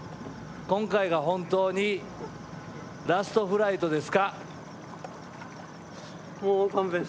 今回が本当にラストフライトですか？